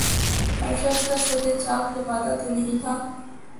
ہر شخص کا صد چاک لبادہ تو نہیں تھا